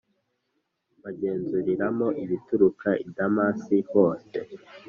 bagenzuriramo ibituruka i Damasi hose